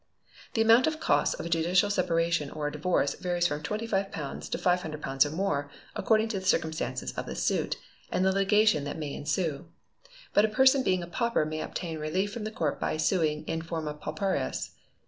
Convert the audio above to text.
The amount of sosts of a judicial separation or a divorce varies from £25 to £500 or more, according to the circumstances of the suit, and the litigation that may ensue. But a person being a pauper may obtain relief from the court by suing _in forma pauperis.